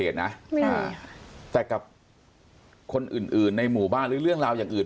ไม่มีแต่กับคนอื่นอื่นในหมู่บ้านหรือเรื่องราวอย่างอื่น